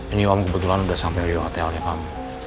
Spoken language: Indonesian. ini om kebetulan udah sampai ke hotelnya om